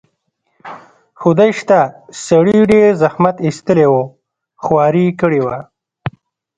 خدای شته، سړي ډېر زحمت ایستلی و، خواري یې کړې وه.